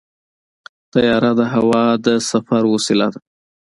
طیاره د هوا د سفر وسیله ده.